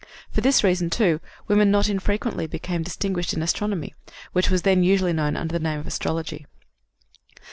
For this reason, too, women not infrequently became distinguished in astronomy, which was then usually known under the name of astrology.